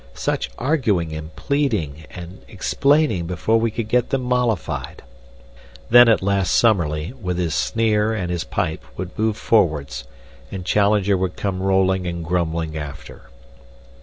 Such arguing and pleading and explaining before we could get them mollified! Then at last Summerlee, with his sneer and his pipe, would move forwards, and Challenger would come rolling and grumbling after.